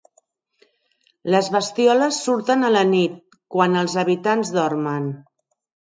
Les bestioles surten a la nit, quan els habitants dormen.